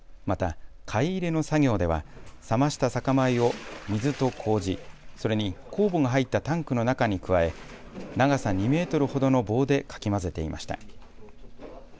また、かい入れの作業では冷ました酒米を水とこうじ、それに酵母が入ったタンクの中に加え長さ２メートルほどの棒でかき混ぜていました。